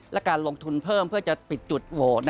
และการลงทุนเพิ่มเพื่อจะปิดจุดโหวต